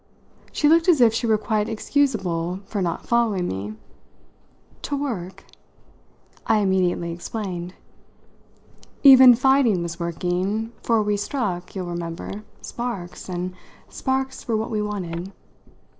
She looked as if she were quite excusable for not following me. "To 'work'?" I immediately explained. "Even fighting was working, for we struck, you'll remember, sparks, and sparks were what we wanted.